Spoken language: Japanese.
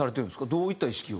どういった意識を。